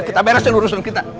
kita beresin urusan kita